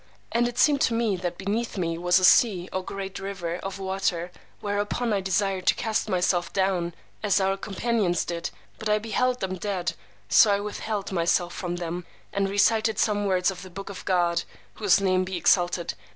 And it seemed to me that beneath me was a sea (or great river) of water; whereupon I desired to cast myself down, as our companions did: but I beheld them dead; so I withheld myself from them, and recited some words of the Book of God, (whose name be exalted!)